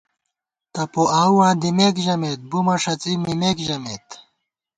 تپو آؤواں دمېک ژمېت، بُومہ ݭڅی مِمېک ژمېت